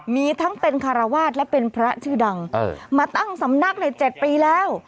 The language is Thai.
มีทั้งเป็นคารวาสและเป็นพระชื่อดังมาตั้งสำนักใน๗ปีแล้ว